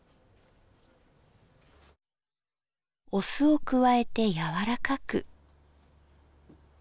お酢を加えて柔らかく。